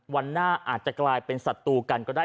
วันหน้าอาจจะกลายเป็นศัตรูกันก็ได้